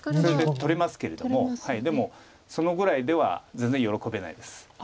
それで取れますけれどもでもそのぐらいでは全然喜べないです。